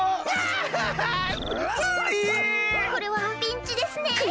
これはピンチですね。